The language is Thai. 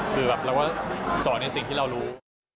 คือเราก็สอนในสิ่งที่เรารู้